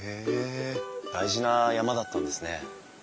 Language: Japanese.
大事な山だったんですね。